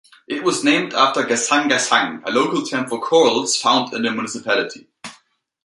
It was named after "gasang-gasang", a local term for corals found in the municipality.